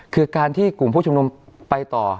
คือการที่กลุ่มผู้ชุมนุมไปต่อ